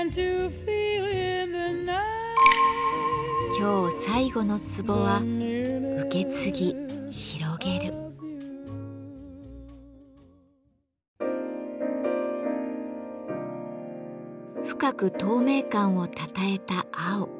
今日最後のツボは深く透明感をたたえた青。